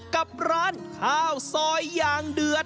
กับร้านข้าวซอยอย่างเดือด